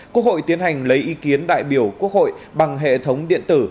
quốc hội tiến hành lấy ý kiến đại biểu quốc hội bằng hệ thống điện tử